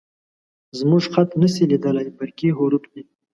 _زموږ خط نه شې لېدلی، برقي حروف دي